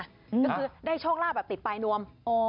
ก็คือได้โชคลาภแบบติดปลายนวม